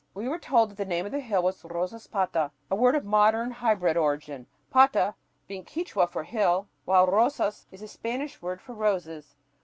We were told that the name of the hill was "Rosaspata," a word of modern hybrid origin pata being Quichua for "hill," while rosas is the Spanish word for "roses."